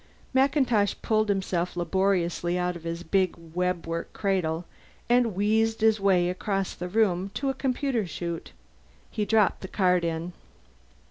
MacIntosh pulled himself laboriously out of his big webwork cradle and wheezed his way across the room to a computer shoot. He dropped the card in.